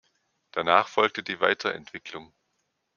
Danach folgte die Weiterentwicklung.